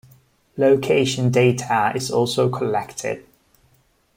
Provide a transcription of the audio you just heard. Location data is also collected.